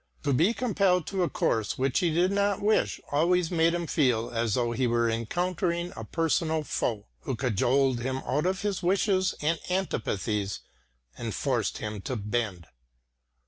To be compelled to a course which he did not wish always made him feel as though he were encountering a personal foe, who cajoled him out of his wishes and antipathies, and forced him to bend.